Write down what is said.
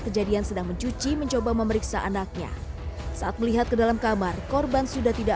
kejadian sedang mencuci mencoba memeriksa anaknya saat melihat ke dalam kamar korban sudah tidak